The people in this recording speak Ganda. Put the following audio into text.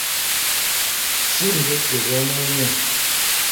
Si nze gwe banoonya!